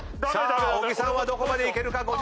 小木さんはどこまでいけるか？